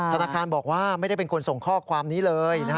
ธนาคารบอกว่าไม่ได้เป็นคนส่งข้อความนี้เลย